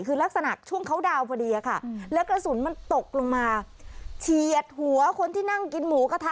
คือลักษณะช่วงเขาดาวนพอดีอะค่ะแล้วกระสุนมันตกลงมาเฉียดหัวคนที่นั่งกินหมูกระทะ